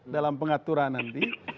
dalam pengaturan nanti